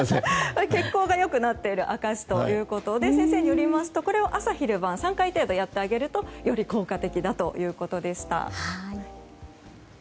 血行が良くなっている証しということで先生によりますとこれを朝昼晩３回程度やっていただくとより効果的だということでした。